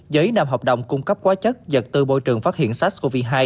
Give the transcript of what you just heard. với năm hợp đồng cung cấp quá chất chật tư môi trường phát hiện sars cov hai